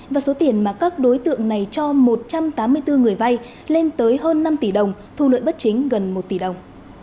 và số tiền mà các đối tượng này cho một trăm tám mươi bốn người vay lên tới hơn năm tỷ đồng thu lợi bất chính gần một tỷ đồng